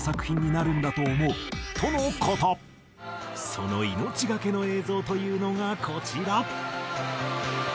その命がけの映像というのがこちら！